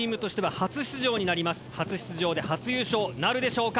初出場で初優勝なるでしょうか。